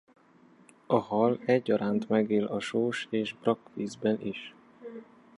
A hal egyaránt megél a sós- és brakkvízben is.